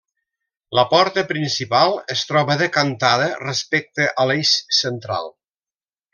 La porta principal es troba decantada respecte a l'eix central.